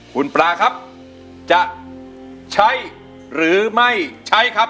คุณปลาครับจะใช้หรือไม่ใช้ครับ